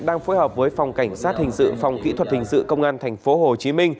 đang phối hợp với phòng cảnh sát thình sự phòng kỹ thuật thình sự công an tp hcm